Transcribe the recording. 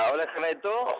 oleh karena itu